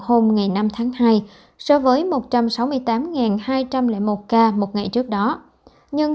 trong ngày nghỉ tết cuối cùng